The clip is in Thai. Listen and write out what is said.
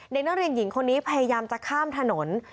เด็กนักเรียนหญิงคนนี้พยายามจะข้ามถนน